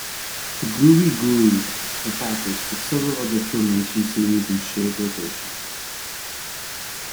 "The Groovie Goolies" were packaged with several other Filmation series in shared rotation.